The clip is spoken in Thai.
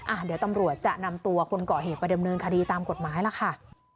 อ่ะเดี๋ยวตำรวจจะนำตัวคนก่อเหตุไปดำเนินคดีตามกฎหมายล่ะค่ะ